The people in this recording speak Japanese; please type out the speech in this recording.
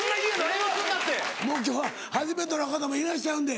もう今日は初めての方もいらっしゃるんで。